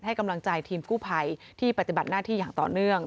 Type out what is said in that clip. ให้กำลังใจทีมกู้ภัยที่ปฏิบัติหน้าที่อย่างต่อเนื่อง